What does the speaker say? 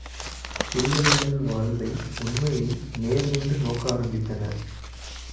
சிறுகதைகள் வாழ்வை, உண்மையை நேர் நின்று நோக்க ஆரம்பித்தன.